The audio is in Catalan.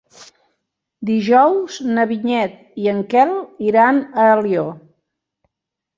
Dijous na Vinyet i en Quel iran a Alió.